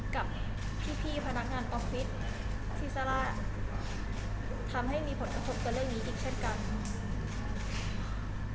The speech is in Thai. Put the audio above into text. กับพี่พนักงานออฟฟิศที่ซาร่าทำให้มีผลกระทบกับเรื่องนี้อีกเช่นกัน